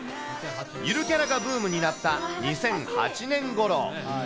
ゆるキャラがブームになった２００８年ごろ。